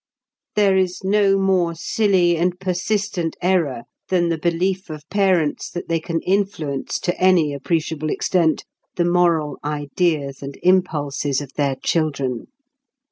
There is no more silly and persistent error than the belief of parents that they can influence to any appreciable extent the moral ideas and impulses of their children.